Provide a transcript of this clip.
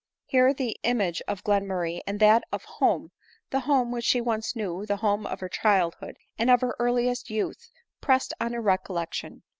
Here the image of Glenmurray and that of home, the home which she once knew, the home of her childhood, and of her earliest youth, pressed on her recollection.